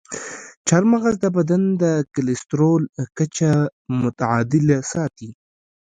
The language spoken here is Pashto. چارمغز د بدن د کلسترول کچه متعادله ساتي.